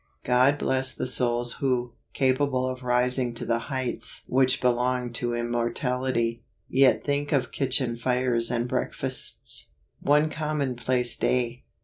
God bless the souls who, capable of rising to the heights which belong to im¬ mortality, yet think of kitchen tires and breakfasts. One Commonplace Day.